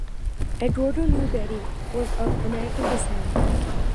Eduardo Newbery was of American descent.